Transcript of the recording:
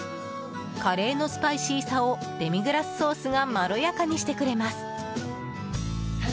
カレーのスパイシーさをデミグラスソースがまろやかにしてくれます。